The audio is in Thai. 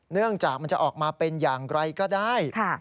เนื่องจากมันจะออกมาเป็นอย่างไรก็ได้